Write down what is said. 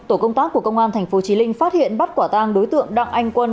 tổ công tác của công an tp chí linh phát hiện bắt quả tang đối tượng đặng anh quân